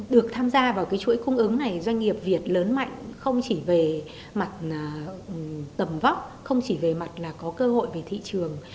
được tham gia vào cái chuỗi cung ứng này doanh nghiệp việt lớn mạnh không chỉ về mặt tầm vóc không chỉ về mặt là có cơ hội về thị trường